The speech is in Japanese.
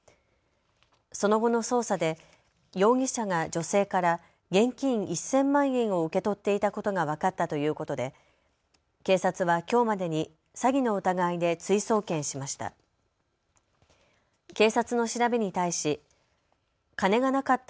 その後の捜査で容疑者が女性から現金１０００万円を受け取っていたことが分かったということで警察はきょうまでに詐欺の疑いで追送検しました。